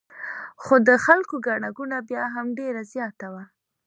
خو د خلکو ګڼه ګوڼه بیا هم ډېره زیاته وه.